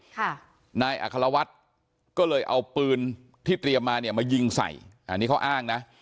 ค่ะนายอัครวัฒน์ก็เลยเอาปืนที่เตรียมมาเนี่ยมายิงใส่อันนี้เขาอ้างนะ